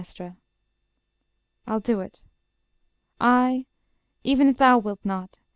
I'll do it; I, e'en if thou wilt not.